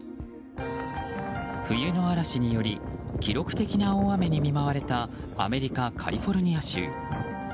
冬の嵐により記録的な大雨に見舞われたアメリカ・カリフォルニア州。